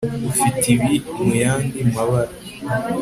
ufite ibi muyandi mabara